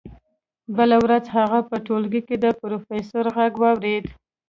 بله ورځ هغه په ټولګي کې د پروفیسور غږ واورېد